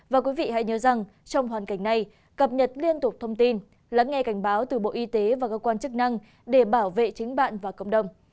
và quý vị hãy nhớ rằng trong hoàn cảnh này cập nhật liên tục thông tin lắng nghe cảnh báo từ bộ y tế và cơ quan chức năng để bảo vệ chính bạn và cộng đồng